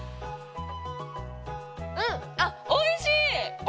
うんあっおいしい！